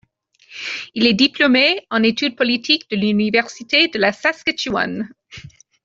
Il est diplômé en études politiques de l'Université de la Saskatchewan.